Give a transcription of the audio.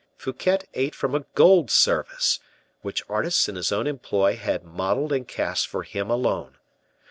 Fouquet ate from a gold service, which artists in his own employ had modeled and cast for him alone.